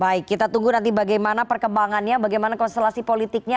baik kita tunggu nanti bagaimana perkembangannya bagaimana konstelasi politiknya